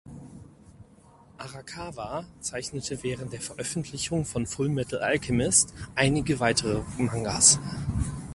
Arakawa zeichnete während der Veröffentlichung von "Fullmetal Alchemist" einige weitere Mangas.